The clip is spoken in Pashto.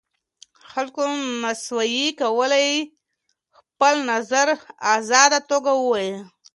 خلګو نسوای کولای خپل نظر په ازاده توګه ووایي.